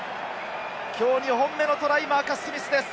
きょう２本目のトライ、マーカス・スミスです。